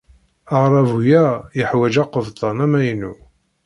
Aɣerrabu-a yeḥwaj aqebṭan amaynu.